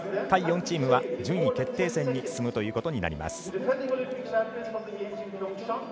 下位４チームは順位決定戦に進むということになります。